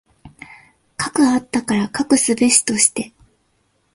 斯くあったから斯くすべしとして。